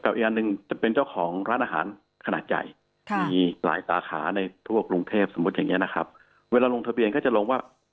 เวลาลงทุนสะเบียนก็จะลงว่า